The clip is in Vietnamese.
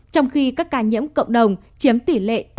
trong khi các ca nhiễm cộng đồng chiếm tỷ lệ tám mươi